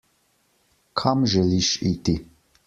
Kam želiš iti?